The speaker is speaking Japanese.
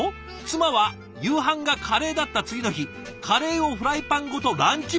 「妻は夕飯がカレーだった次の日カレーをフライパンごとランチ